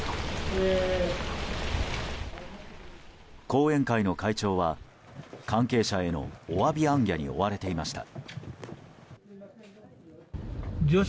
後援会の会長は関係者へのお詫び行脚に追われていました。